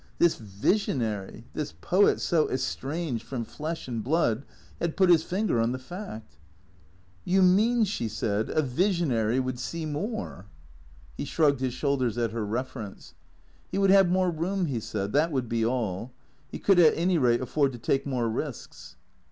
This visionary, this poet so estranged from flesh and blood, had put his finger on the fact. " You mean," she said, " a visionary would see more ?" He shrugged his shoulders at her reference. " He would have more room," he said, " that would be all. He could at any rate afford to take more risks."